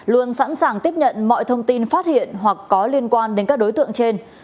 luôn sẵn sàng tiếp nhận mọi thông tin phát hiện hoặc có liên quan đến các đối tượng trên